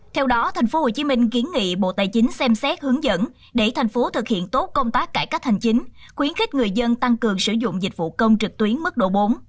theo đó tp hcm kiến nghị bộ tài chính xem xét hướng dẫn để thành phố thực hiện tốt công tác cải cách hành chính khuyến khích người dân tăng cường sử dụng dịch vụ công trực tuyến mức độ bốn